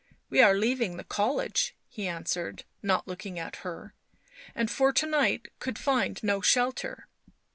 " We arc leaving the college," he answered, not looking at her. " And for to night could find no shelter."